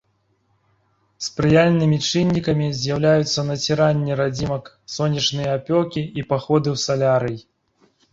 Спрыяльнымі чыннікамі з'яўляюцца націранне радзімак, сонечныя апёкі і паходы ў салярый.